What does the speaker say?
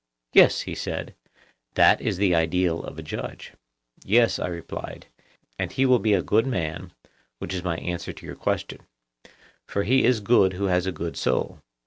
Yes, he said, that is the ideal of a judge. Yes, I replied, and he will be a good man (which is my answer to your question); for he is good who has a good soul.